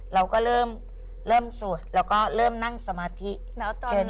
เราก็เริ่มเริ่มสวดเราก็เริ่มนั่งสมาธิเชิญเทพ